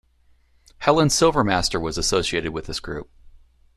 Helen Silvermaster was associated with this group.